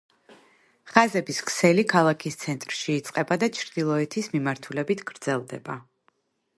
ხაზების ქსელი ქალაქის ცენტრში იწყება და ჩრდილოეთის მიმართულებით გრძელდება.